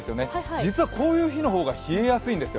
実はこういう日の方が冷えやすいんですよ。